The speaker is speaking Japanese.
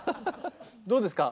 どうですか？